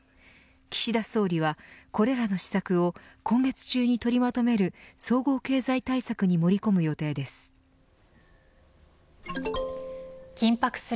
岸田総理は、これらの施策を今月中にとりまとめる総合経済対策に盛り込む予定です。